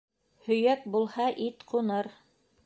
Һөйәк булһа, ит ҡуныр.